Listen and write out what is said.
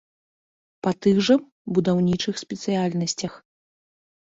Па тых жа будаўнічых спецыяльнасцях.